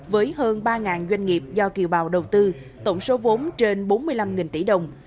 với hơn ba doanh nghiệp do kiều bào đầu tư tổng số vốn trên bốn mươi năm tỷ đồng